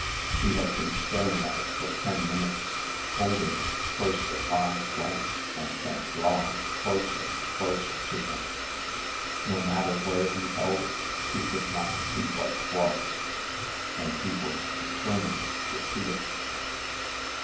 He had been staring at it for ten minutes, holding it first at arm's length and then drawing it closer and closer to him. No matter where he held it, he could not see what it was and he was determined to see it.